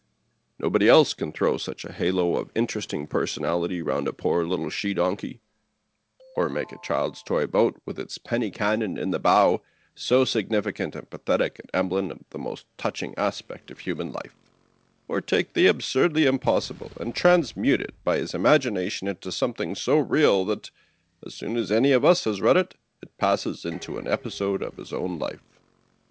Kobody else can throw such a halo of interesting personaUty round a poor little she donkey, or make a child's toy boat with its penny cannon in the bow so significant and pathetic an em blem of the most touching aspect of human life, or take the absurdly impossible and transmute it by his imagination into something so real that, as soon as any one has read it, it passes into an episode of his own Ufe."